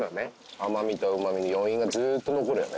甘みとうまみの余韻がずーっと残るよね